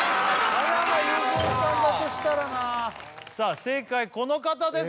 加山雄三さんだとしたらなさあ正解この方です